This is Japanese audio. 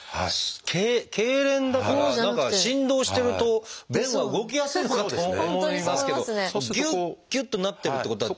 けいれんだから何か振動してると便は動きやすいのかと思いますけどぎゅっぎゅっとなってるってことは。